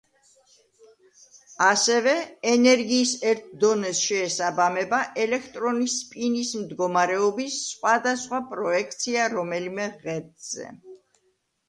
ასევე ენერგიის ერთ დონეს შეესაბამება ელექტრონის სპინის მდგომარეობის სხვადასხვა პროექცია რომელიმე ღერძზე.